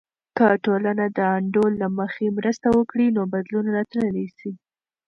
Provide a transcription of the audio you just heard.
که ټولنه د انډول له مخې مرسته وکړي، نو بدلون راتللی سي.